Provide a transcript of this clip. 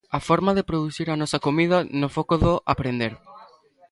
A forma de producir a nosa comida, no foco do 'Aprender'.